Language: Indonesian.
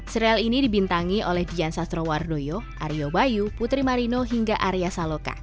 sereal ini dibintangi oleh dian sastrowardoyo aryo bayu putri marino hingga arya saloka